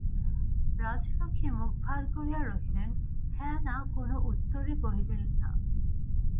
রাজলক্ষ্মী মুখ ভার করিয়া রহিলেন, হাঁ-না কোনো উত্তরই করিলেন না।